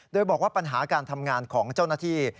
โดยบอกว่าปัญหาการทำงานของเจ้าหน้าที่